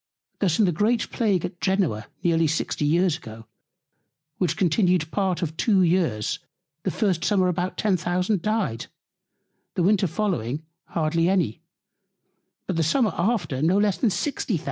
Thus in the great Plague at Genoa near 60 Years ago, which continued part of two Years; the first Summer about 10,000 dyed; the Winter following hardly any; but the Summer after no less than 60,000.